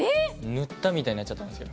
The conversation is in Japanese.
塗ったみたいになっちゃったんですよ。